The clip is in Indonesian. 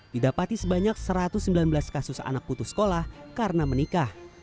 didapati sebanyak satu ratus sembilan belas kasus anak putus sekolah karena menikah